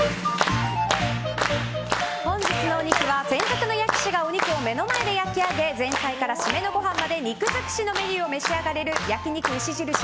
本日のお肉は、専属の焼き師がお肉を目の前で焼き上げ前菜から締めのごはんまで肉尽くしのメニューを召し上がれる焼肉牛印